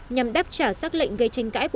nhằm đáp trả xác lệnh gây tranh cãi